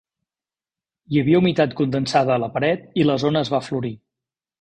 Hi havia humitat condensada a la paret i la zona es va florir.